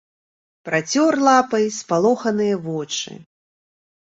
Працёр лапай спалоханыя вочы.